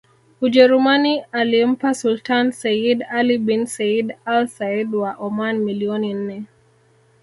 Ujerumani alimlipa Sultan Sayyid Ali bin Said al Said wa Oman milioni nne